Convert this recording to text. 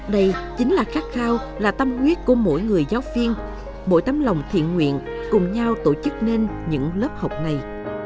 đây chính là khát khao là tâm quyết của mỗi người giáo viên mỗi tấm lòng thiện nguyện cùng nhau tổ chức nên những lớp học này